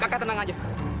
kakak tenang aja